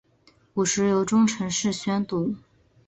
古时由中臣式宣读。